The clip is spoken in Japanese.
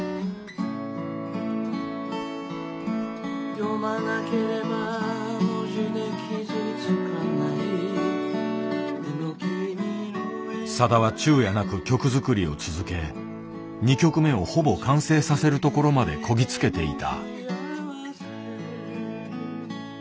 「読まなければ文字で傷つかない」さだは昼夜なく曲作りを続け２曲目をほぼ完成させるところまでこぎ着けていた。